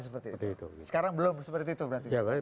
sekarang belum seperti itu berarti